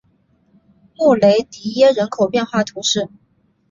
穆雷迪耶人口变化图示